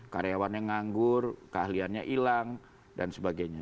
karyawannya nganggur keahliannya hilang dan sebagainya